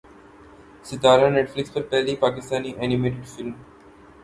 ستارہ Netflix پر پہلی پاکستانی اینیمیٹڈ فلم